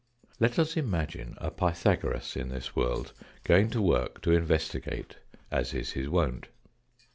Let us imagine a Pythagoras in this world going to work to investigate, as is his wont.